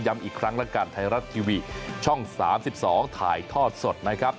อีกครั้งแล้วกันไทยรัฐทีวีช่อง๓๒ถ่ายทอดสดนะครับ